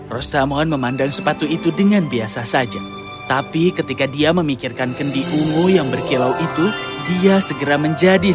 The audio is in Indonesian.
rosamohon memandang sepatu itu dengan biasa saja tapi ketika dia memikirkan kendi ungu yang berkilau itu dia segera menjadi